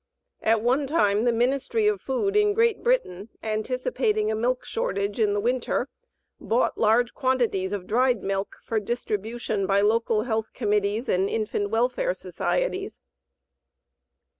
At one time the Ministry of Food in Great Britain, anticipating a milk shortage in the winter bought large quantities of dried milk for distribution by local health committees and infant welfare societies.